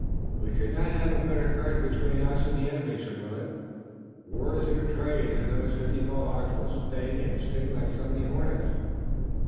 "We could not have a better curtain between us and the enemy," said Willet. "War is their trade and those fifty Mohawks will sting and sting like so many hornets."